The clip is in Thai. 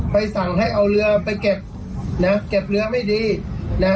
สั่งให้เอาเรือไปเก็บนะเก็บเรือไม่ดีนะ